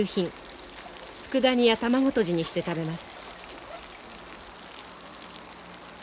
つくだ煮や卵とじにして食べます。